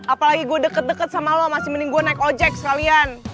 apalagi gue deket deket sama lo masih menunggu naik ojek sekalian